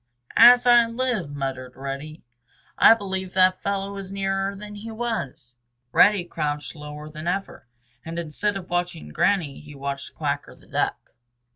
"As I live," muttered Reddy, "I believe that fellow is nearer than he was!" Reddy crouched lower than ever, and instead of watching Granny he watched Quacker the Duck.